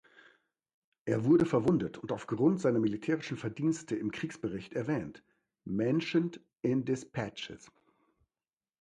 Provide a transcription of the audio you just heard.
Er wurde verwundet und aufgrund seiner militärischen Verdienste im Kriegsbericht erwähnt "(Mentioned in dispatches)".